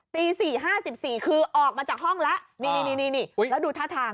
ตี๔๕๔คือออกมาจากห้องแล้วนี่แล้วดูท่าทาง